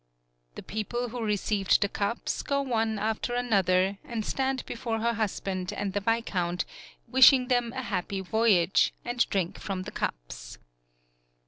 The people who received the cups go one after another, and stand before her husband and the viscount, wishing them a happy voyage, and drink from the cups.